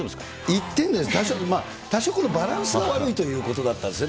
１点です、多少バランスが悪いということだったんですね。